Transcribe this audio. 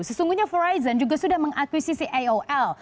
sesungguhnya verizon juga sudah mengakuisisi aol